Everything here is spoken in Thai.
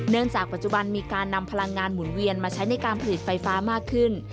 จากปัจจุบันมีการนำพลังงานหมุนเวียนมาใช้ในการผลิตไฟฟ้ามากขึ้น